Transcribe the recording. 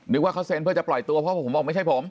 ว่าเขาเซ็นเพื่อจะปล่อยตัวเพราะผมบอกไม่ใช่ผม